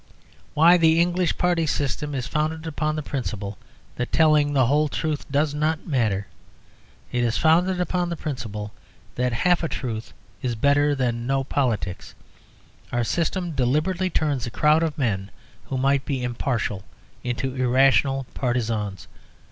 Why, the English party system is founded upon the principle that telling the whole truth does not matter. It is founded upon the principle that half a truth is better than no politics. Our system deliberately turns a crowd of men who might be impartial into irrational partisans.